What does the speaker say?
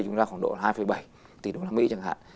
chúng ta khoảng độ hai bảy tỷ đồng mỹ chẳng hạn